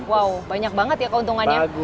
wow banyak banget ya keuntungannya